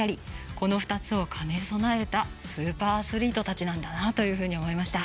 この２つを兼ね備えたスーパーアスリートたちなんだなと思いました。